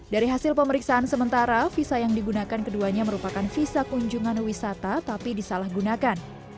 dari hasil pemeriksaan sementara visa yang digunakan keduanya merupakan visa kunjungan wisata tapi disalahgunakan